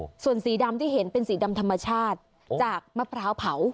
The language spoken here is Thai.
ส่วนสีดำที่เห็นเป็นสีดำธรรมชาติจากมะพร้าวเผา